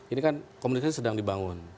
ini kan komunikasi sedang dibangun